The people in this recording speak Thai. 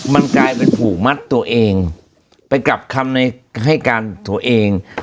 มันกลายเป็นผูกมัดตัวเองไปกลับคำในให้การตัวเอง